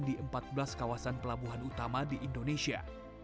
di empat belas kawasan pelabuhan utama di indonesia